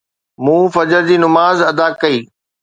مون فجر جي نماز ادا ڪئي